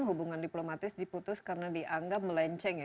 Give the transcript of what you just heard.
hubungan diplomatis diputus karena dianggap melenceng ya